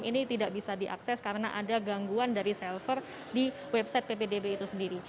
ini tidak bisa diakses karena ada gangguan dari selver di website ppdb itu sendiri